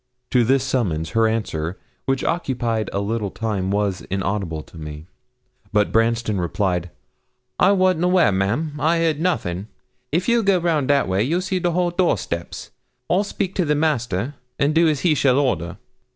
To this summons, her answer, which occupied a little time, was inaudible to me. But Branston replied 'I wasn't aware, ma'am; I heerd nothin'; if you'll go round that way, you'll see the hall door steps, and I'll speak to the master, and do as he shall order.'